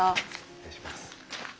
失礼します。